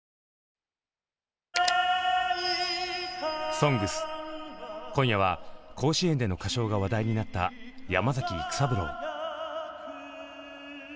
「ＳＯＮＧＳ」今夜は甲子園での歌唱が話題になった山崎育三郎。